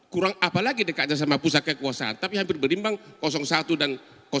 kurang apalagi dekatnya sama pusat kekuasaan tapi hampir berimbang satu dan dua